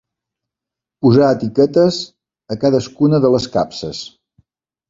Posar etiquetes a cadascuna de les capses.